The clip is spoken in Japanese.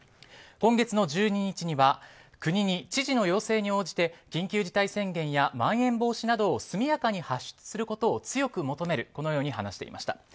今月１２日には国に知事の要請に応じて緊急事態宣言やまん延防止などを速やかに発出することを強く求めると話していました。